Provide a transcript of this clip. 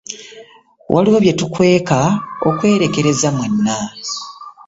Waliwo bye muteekwa okwerekereza mwenna.